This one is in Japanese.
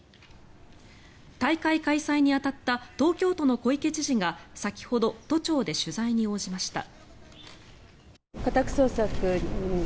大会開催に当たった東京都の小池知事が先ほど都庁で取材に応じました。